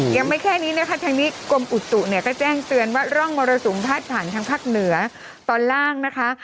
ยังไม่แค่นี้นะคะทางนี้กรมอุตุเนี่ยก็แจ้งเตือนว่าร่องมรสุมพาดผ่านทางภาคเหนือตอนล่างนะคะ